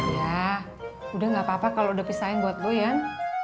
ya udah nggak apa apa kalau udah pisahin buat lo yan